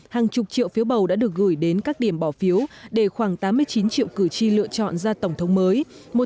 hàng chục triệu phiếu bầu đã được gửi đến các điểm bỏ phiếu để khoảng tám mươi chín triệu cử tri lựa chọn ra tổng thống mới